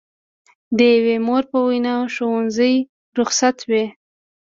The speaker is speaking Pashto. د یوې مور په وینا ښوونځي رخصت وي.